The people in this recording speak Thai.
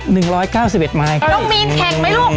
หนึ่งร้อยเก้าสิบเอ็ดไม้เอาน้องมีนแข่งไหมลูก